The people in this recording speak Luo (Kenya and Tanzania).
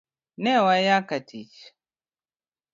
Ne waya katich